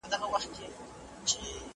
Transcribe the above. خدای ورکړی داسي ږغ داسي آواز وو .